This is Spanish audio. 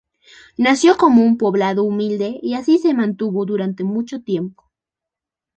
Nació como un poblado humilde y así se mantuvo durante mucho tiempo.